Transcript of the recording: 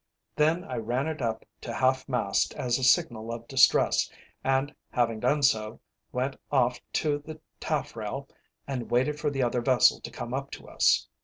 Then I ran it up to half mast as a signal of distress, and having done so, went aft to the taffrail and waited for the other vessel to come up to us.